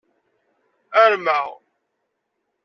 Arma.